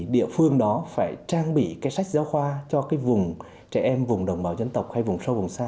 địa phương đó phải trang bị sách giáo khoa cho trẻ em vùng đồng bào dân tộc hay vùng sâu vùng xa